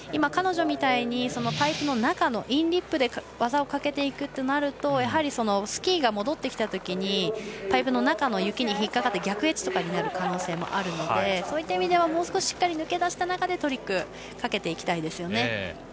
彼女みたいにパイプの中のインリップで技をかけていくとなるとスキーが戻ってきたときにパイプの中の雪に引っかかり逆エッジになる可能性があるのでそういった意味では、もう少ししっかり抜け出したあとでトリックをかけていきたいですね。